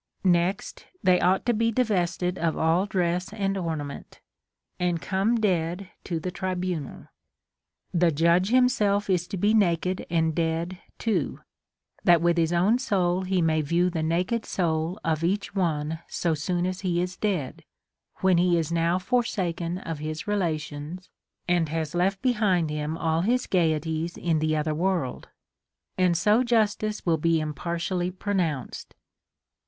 Next they ought to be divested of all dress and ornament, and come dead to the tribunal. The judge himself is to be naked and dead too, that with his own soul he may view the naked soul of each one so soon as he is dead, Λvhen he is now forsaken of his relations, and has left behind him all his gayeties in the other world ; and so justice Λνϋΐ be impartially pronounced.